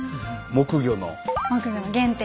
木魚の原点。